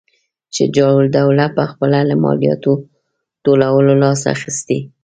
شجاع الدوله پخپله له مالیاتو ټولولو لاس اخیستی.